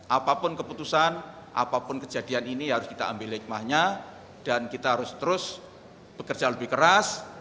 apapun keputusan apapun kejadian ini harus kita ambil hikmahnya dan kita harus terus bekerja lebih keras